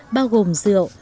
bao gồm rượu